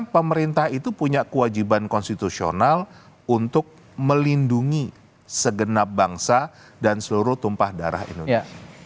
pemerintah itu punya kewajiban konstitusional untuk melindungi segenap bangsa dan seluruh tumpah darah indonesia